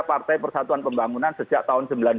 partai persatuan pembangunan sejak tahun